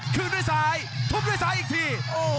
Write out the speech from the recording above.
คืนด้วยซ้ายทุบด้วยซ้ายอีกที